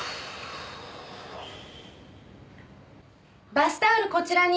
バスタオルこちらに。